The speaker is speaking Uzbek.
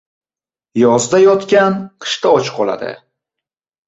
• Yozda yotdan qishda och qoladi.